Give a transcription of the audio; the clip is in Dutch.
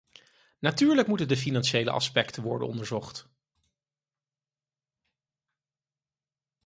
Natuurlijk moeten de financiële aspecten worden onderzocht.